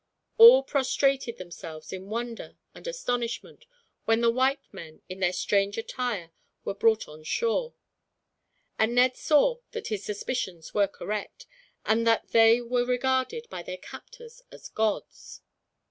All prostrated themselves in wonder and astonishment when the white men, in their strange attire, were brought on shore; and Ned saw that his suspicions were correct, and that they were regarded by their captors as gods.